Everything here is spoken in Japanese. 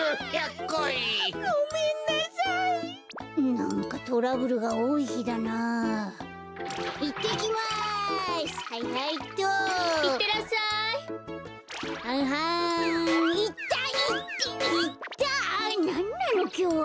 なんなのきょうは。